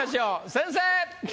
先生！